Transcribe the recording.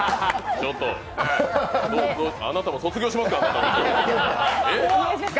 ちょっと、あなたも卒業させますからね！